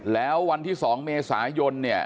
แล้ววันที่๒เมษายน